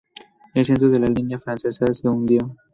El centro de la línea francesa se hundió.